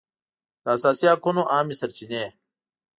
د اساسي حقوقو عامې سرچینې